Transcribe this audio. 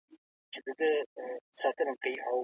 تاسو باید خپل نظر په منطق سره بیان کړئ.